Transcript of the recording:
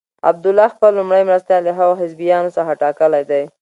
عبدالله خپل لومړی مرستیال له هغو حزبیانو څخه ټاکلی دی.